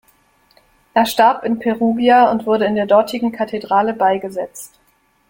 Er starb in Perugia und wurde in der dortigen Kathedrale beigesetzt.